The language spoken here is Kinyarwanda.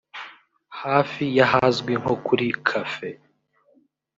hafi y’ahazwi nko kuri Café